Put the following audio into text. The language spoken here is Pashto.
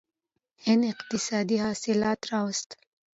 هند اقتصادي اصلاحات راوستل.